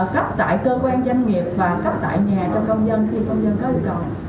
cấp tại cơ quan doanh nghiệp và cấp tại nhà cho công dân khi công dân có yêu cầu